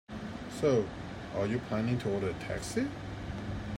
So, are you planning to order a taxi?